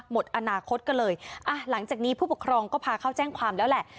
หมดอนาคตก็เลยอ่ะหลังจากนี้ผู้ปกครองก็พาเข้าแจ้งความแล้วแหละ